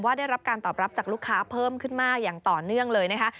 ได้รับการตอบรับจากลูกค้าเพิ่มขึ้นมากอย่างต่อเนื่องเลยนะคะ